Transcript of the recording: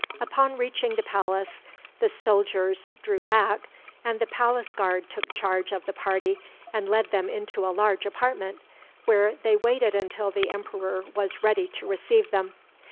Upon reaching the palace the soldiers drew back, and the palace guard took charge of the party and led them into a large apartment, where they waited until the emperor was ready to receive them.